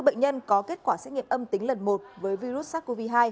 các bệnh nhân đang có kết quả xét nghiệm âm tính lần một với virus sars cov hai